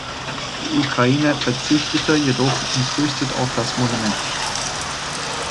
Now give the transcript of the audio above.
Die Ukraine verzichtete jedoch entrüstet auf das Monument.